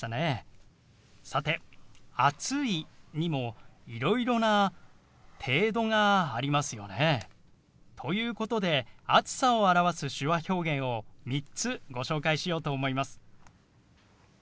さて「暑い」にもいろいろな程度がありますよね。ということで暑さを表す手話表現を３つご紹介しようと思います。